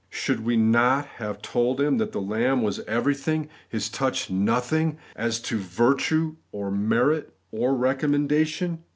Should we not have told him that the lamb was everything, his touch nothing, as to virtue or merit or recommendation